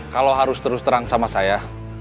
kalau harus terus terang sama saya